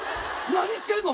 何してんの？